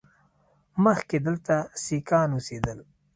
مخکې دلته سیکان اوسېدل